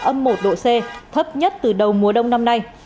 âm một độ c thấp nhất từ đầu mùa đông năm nay